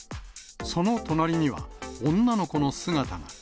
その隣には、女の子の姿が。